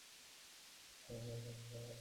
ওখানে দাঁড়িয়ে থেকো না।